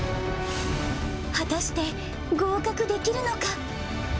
果たして合格できるのか。